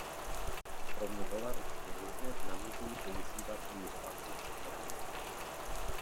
Kromě dolaru je možné v Namibii používat i jihoafrický rand.